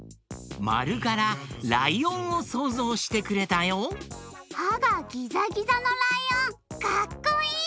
まるからライオンをそうぞうしてくれたよ！はがギザギザのライオンかっこいい！